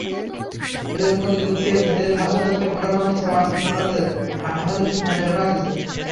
এঁদের মধ্যে দুজনকে জেলহাজতে পাঠানো হয়েছে, অন্যদের হাটহাজারী থানায় রাখা হয়েছে।